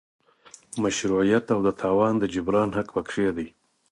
مشروعیت او د تاوان د جبران حق پکې دی.